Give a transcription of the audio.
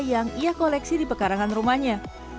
yang ia koleksi di pekarangan rumahnya